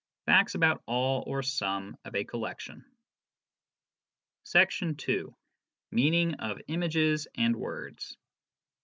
facts about all or some of a collection. II. Meaning of Images and Words.